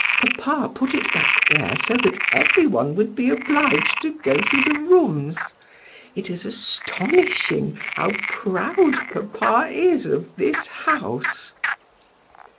Papa put it back there so that everyone would be obliged to go through the rooms. It is astonishing how proud papa is of this house."